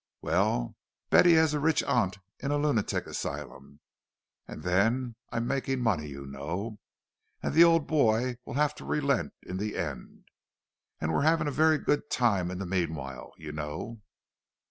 "Well, Betty has a rich aunt in a lunatic asylum. And then I'm making money, you know—and the old boy will have to relent in the end. And we're having a very good time in the meanwhile, you know."